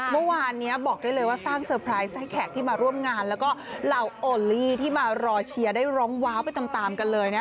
เมื่อวานนี้บอกได้เลยว่าสร้างเซอร์ไพรส์ให้แขกที่มาร่วมงานแล้วก็เหล่าโอลี่ที่มารอเชียร์ได้ร้องว้าวไปตามกันเลยนะ